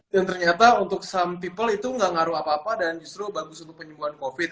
dan ternyata untuk beberapa orang itu gak ngaruh apa apa dan justru bagus untuk penyembuhan covid